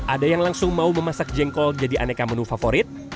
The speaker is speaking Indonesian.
ada yang langsung mau memasak jengkol jadi aneka menu favorit